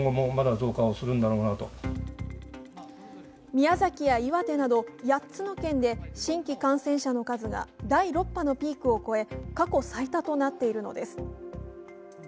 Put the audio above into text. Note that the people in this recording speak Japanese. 宮崎や岩手など８つの県で新規感染者の数が第６波のピークを超え過去最多となっているのです。